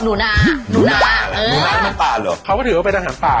หนูนาหนูนาแล้วล่ะอาหารป่าเหรอ